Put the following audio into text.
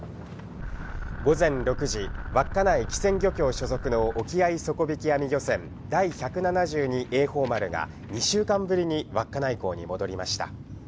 午前６時、稚内機船漁協所属の沖合底引き網漁船・第１７２榮寳丸が２週間ぶりに稚内港に戻りました。